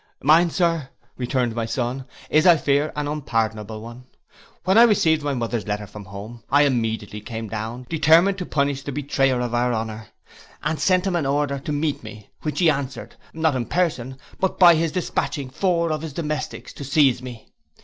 'Mine, Sir,' returned my son, 'is, I fear, an unpardonable one. When I received my mother's letter from home, I immediately came down, determined to punish the betrayer of our honour, and sent him an order to meet me, which he answered, not in person, but by his dispatching four of his domestics to seize me.